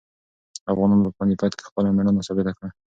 افغانانو په پاني پت کې خپله مېړانه ثابته کړه.